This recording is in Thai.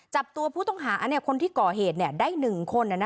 จับตัวผู้ต้องหาคนที่ก่อเหตุได้๑คน